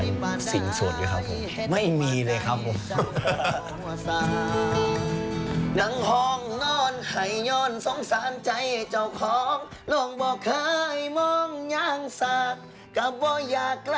ยังครับผมยังสิ่งส่วนอยู่ครับผมไม่มีเลยครับผม